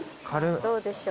どうでしょう。